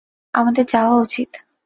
আমাদের যাওয়া উচিত।